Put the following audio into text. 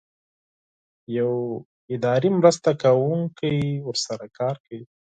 یو اداري مرسته کوونکی ورسره کار کوي.